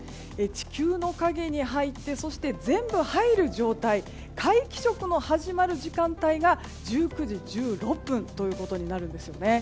地球の影に入ってそして全部入る状態皆既食の始まる時間帯が１９時１６分となります。